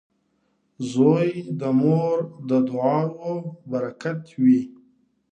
• زوی د مور د دعاو برکت وي.